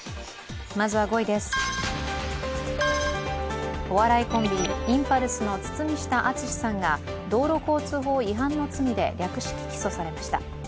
まずは５位です、お笑いコンビインパルスの堤下敦さんが道路交通法違反の罪で略式起訴されました。